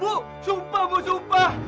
bu sumpah bu sumpah